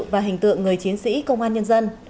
và hình tượng người chiến sĩ công an nhân dân